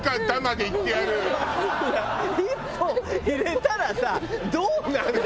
一本入れたらさどうなるの？